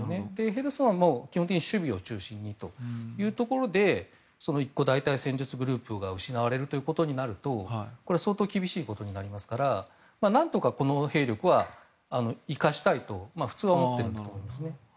ヘルソンはもう基本的に守備を中心にというところでその大隊戦術グループが失われるということになると相当厳しいことになりますから何とか、この兵力は生かしたいと普通は思っていると思います。